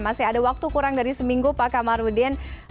masih ada waktu kurang dari seminggu pak kamarudin